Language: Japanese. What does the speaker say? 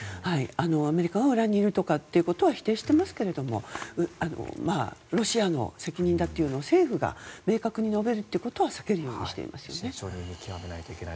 アメリカは裏にいるということは否定してますがロシアの責任だというのを政府が明確に述べるということは避けるようにしていますよね。